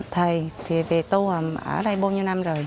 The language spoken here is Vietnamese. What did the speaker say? thầy thì về tôi ở đây bao nhiêu năm rồi